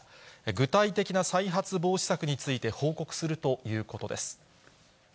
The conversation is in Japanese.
具体的な再発防止策について報告するということです。